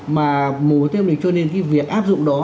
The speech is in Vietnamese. mà mùa một tết âm định cho nên cái việc áp dụng đó